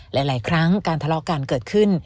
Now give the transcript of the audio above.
หลายครั้งการทะเลาะกันเกิดขึ้น